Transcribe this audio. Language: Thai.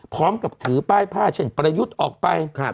พร้อมกับถือป้ายผ้าเช่นประยุทธ์ออกไป